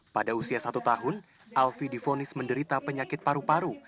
pada usia satu tahun alvi difonis menderita penyakit paru paru